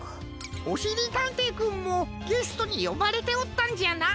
おしりたんていくんもゲストによばれておったんじゃな。